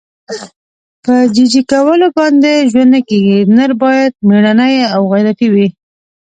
په جي جي کولو باندې ژوند نه کېږي. نر باید مېړنی او غیرتي وي.